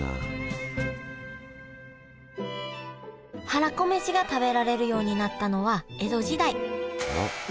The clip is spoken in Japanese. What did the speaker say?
はらこめしが食べられるようになったのは江戸時代。